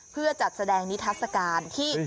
เพื่อจัดแสดงนิทัศกาลที่